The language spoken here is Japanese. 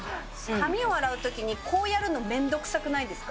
髪を洗うときにこうやるの、面倒くさくないですか。